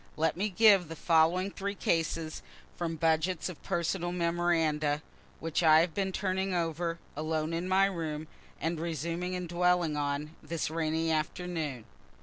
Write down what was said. Let me give the following three cases from budgets of personal memoranda, which I have been turning over, alone in my room, and resuming and dwelling on, this rainy afternoon.